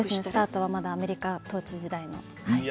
スタートはまだアメリカ統治時代の。